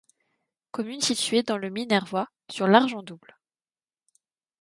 Commune située dans le Minervois sur l'Argent-Double.